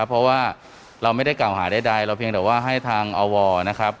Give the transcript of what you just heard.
เพราะว่าเราไม่ได้กล่าวหาใดเราเพียงแต่ว่าให้ทางอวนะครับ